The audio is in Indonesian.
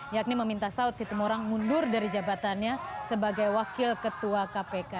yakni meminta saud situmorang mundur dari jabatannya sebagai wakil ketua kpk